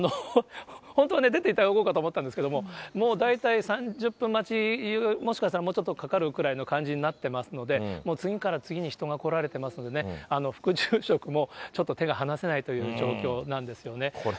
本当はね、出ていただこうかと思ったんですけれども、もう大体３０分待ち、もしかしたらもうちょっとかかるくらいの感じになってますので、もう次から次に人が来られてますのでね、副住職もちょっと手が離せないという状況なんですね。